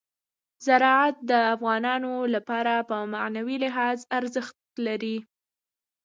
زراعت د افغانانو لپاره په معنوي لحاظ ارزښت لري.